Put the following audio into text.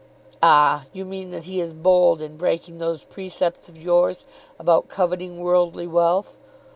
"Ah, you mean that he is bold in breaking those precepts of yours about coveting worldly wealth.